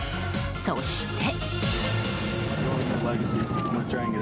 そして。